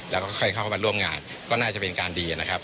แล้วก็ค่อยเข้ามาร่วมงานก็น่าจะเป็นการดีนะครับ